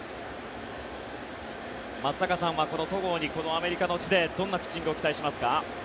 松坂さんはこの戸郷にこのアメリカの地でどんなピッチングを期待しますか。